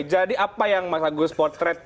jadi apa yang mas agus portret